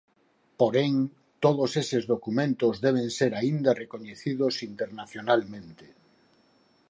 Porén, todos eses documentos deben ser aínda recoñecidos internacionalmente.